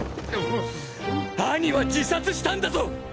兄は自殺したんだぞ！